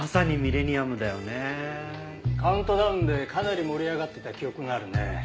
カウントダウンでかなり盛り上がってた記憶があるね。